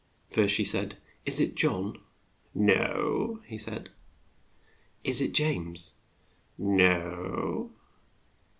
First she said "Is it John?" "No," said he. "Is it James?" "No."